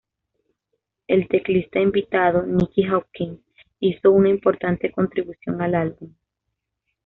El teclista invitado Nicky Hopkins hizo una importante contribución al álbum.